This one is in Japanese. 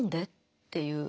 っていう。